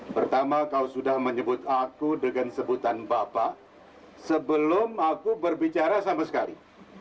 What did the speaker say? pertama kau sudah menyebut aku dengan sebutan bapak sebelum aku berbicara sama sekali